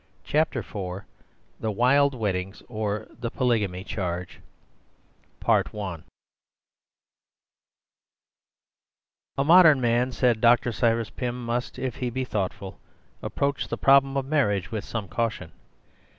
Chapter IV The Wild Weddings; or, the Polygamy Charge "A modern man," said Dr. Cyrus Pym, "must, if he be thoughtful, approach the problem of marriage with some caution.